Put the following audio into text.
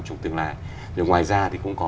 trong tương lai rồi ngoài ra thì cũng có